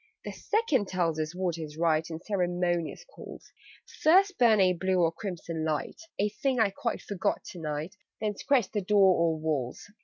"The Second tells us what is right In ceremonious calls: 'First burn a blue or crimson light' (A thing I quite forgot to night), '_Then scratch the door or walls.